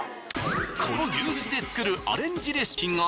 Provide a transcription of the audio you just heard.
この牛スジで作るアレンジレシピが。